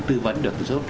tư vấn được